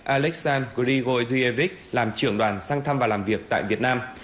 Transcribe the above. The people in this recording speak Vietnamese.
alexan grigoryevich làm trưởng đoàn sang thăm và làm việc tại việt nam